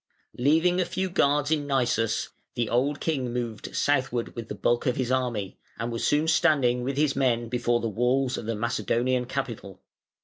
Leaving a few guards in Naissus, the old king moved southward with the bulk of his army, and was soon standing with his men before the walls of the Macedonian capital.